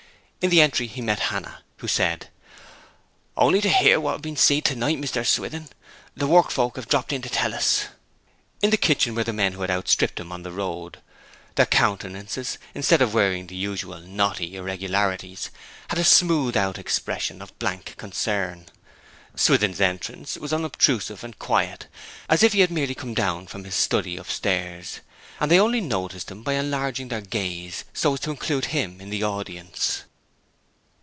In the entry he met Hannah, who said 'Only to hear what have been seed to night, Mr. Swithin! The work folk have dropped in to tell us!' In the kitchen were the men who had outstripped him on the road. Their countenances, instead of wearing the usual knotty irregularities, had a smoothed out expression of blank concern. Swithin's entrance was unobtrusive and quiet, as if he had merely come down from his study upstairs, and they only noticed him by enlarging their gaze, so as to include him in the audience.